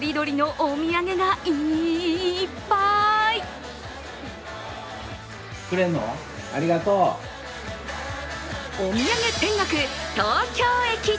お土産天国・東京駅。